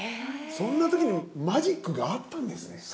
そんな時にマジックがあったんですね。